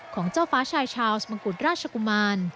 ของเจ้าฟ้าชายชาวสมังกุฎราชกุมาร